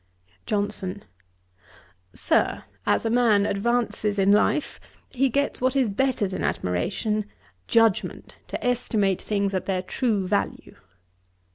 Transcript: JOHNSON. 'Sir, as a man advances in life, he gets what is better than admiration judgement, to estimate things at their true value.'